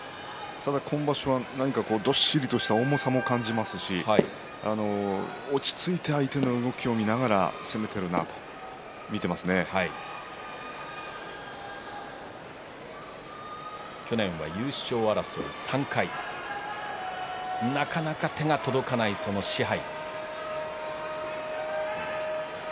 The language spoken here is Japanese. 今場所どっしりした重みも感じますし落ち着いて、相手の動きを見ながら攻めているなと去年は優勝争いが３回なかなか手が届かないその賜盃。